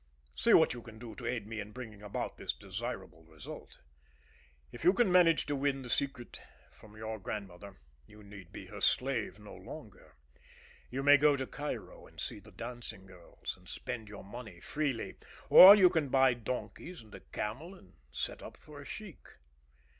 See what you can do to aid me to bring about this desirable result. If you can manage to win the secret from your grandmother, you need be her slave no longer. You may go to Cairo and see the dancing girls and spend your money freely; or you can buy donkeys and a camel, and set up for a sheik.